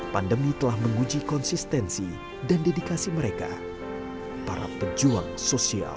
pandemi telah menguji konsistensi dan dedikasi mereka para pejuang sosial